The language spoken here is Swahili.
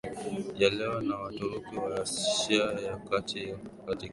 ya leo na Waturuki wa Asia ya Kati Katika